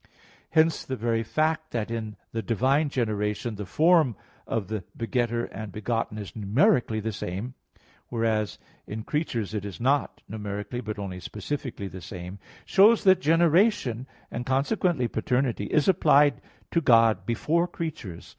Hence the very fact that in the divine generation the form of the Begetter and Begotten is numerically the same, whereas in creatures it is not numerically, but only specifically, the same, shows that generation, and consequently paternity, is applied to God before creatures.